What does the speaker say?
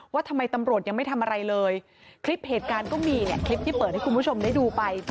ว่าทำไมตำรวจยังไม่ทำอะไรเลยคลิปเหตุการณ์ก็มีเนี่ยคลิปที่เปิดให้คุณผู้ชมได้ดูไป